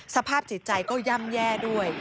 สภาพจิตใจก็ย่ำแย่ด้วย